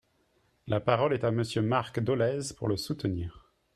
La parole est Monsieur Marc Dolez, pour le soutenir.